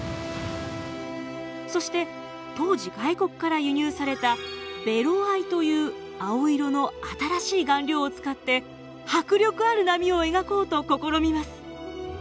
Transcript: そして当時外国から輸入されたベロ藍という青色の新しい顔料を使って迫力ある波を描こうと試みます。